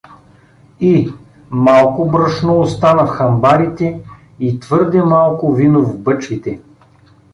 И — малко брашно остана в хамбарите и твърде малко вино в бъчвите.